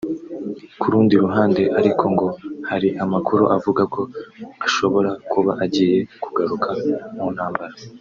Ku rundi ruhande ariko ngo hari amakuru avuga ko ashobora kuba agiye kugaruka mu ntambara